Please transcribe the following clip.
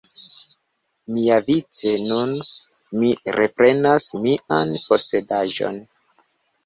Miavice nun mi reprenas mian posedaĵon.